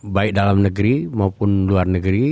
baik dalam negeri maupun luar negeri